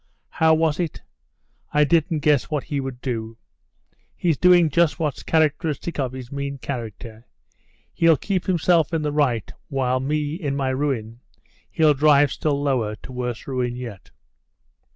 How was it I didn't guess what he would do? He's doing just what's characteristic of his mean character. He'll keep himself in the right, while me, in my ruin, he'll drive still lower to worse ruin yet...."